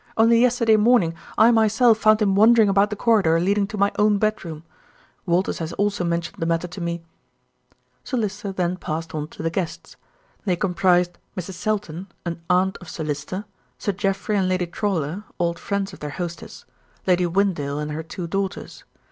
Only yesterday morning I myself found him wandering about the corridor leading to my own bedroom. Walters has also mentioned the matter to me." Sir Lyster then passed on to the guests. They comprised Mrs. Selton, an aunt of Sir Lyster; Sir Jeffrey and Lady Trawlor, old friends of their hostess; Lady Whyndale and her two daughters.